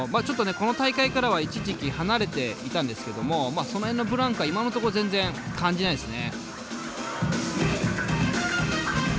この大会からは一時期離れていたんですけどもその辺のブランクは今のところ全然感じないですね。